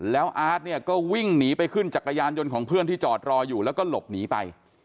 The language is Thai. แล้วอาร์ตเนี่ยก็วิ่งหนีไปขึ้นจักรยานยนต์ของเพื่อนที่จอดรออยู่แล้วก็หลบหนีไป